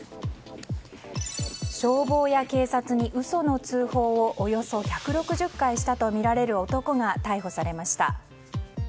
消防や警察に嘘の通報をおよそ１６０回したとみられる男が逮捕されました。